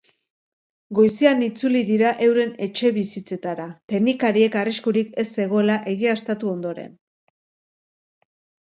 Goizean itzuli dira euren etxebizitzetara, teknikariek arriskurik ez zegoela egiaztatu ondoren.